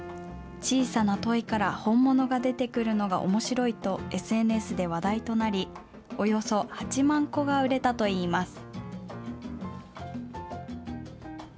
小さなトイから本物が出てくるのがおもしろいと、ＳＮＳで話題となり、およそ８万個が売れたといいます。